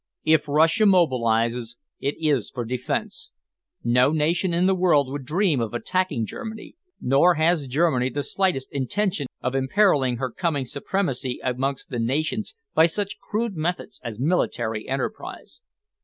"If Russia mobilises, it is for defence. No nation in the world would dream of attacking Germany, nor has Germany the slightest intention of imperilling her coming supremacy amongst the nations by such crude methods as military enterprise.